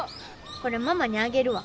これママにあげるわ。